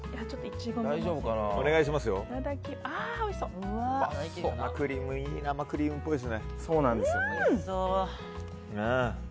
いい生クリームっぽいですね。